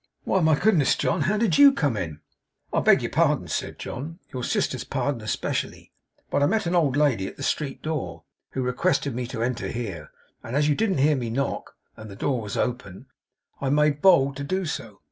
'Why, my goodness, John! How did YOU come in?' 'I beg pardon,' said John ' your sister's pardon especially but I met an old lady at the street door, who requested me to enter here; and as you didn't hear me knock, and the door was open, I made bold to do so.